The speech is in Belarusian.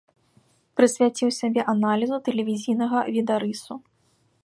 Прысвяціў сябе аналізу тэлевізійнага відарысу.